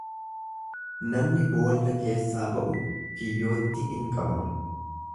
Namni boolla keessaa ba'u kiyyootti in qabama.